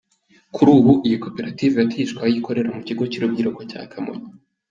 Kuri ubu, iyi koperative yatijwe aho ikorera mu Kigo cy’Urubyiruko cya Kamonyi.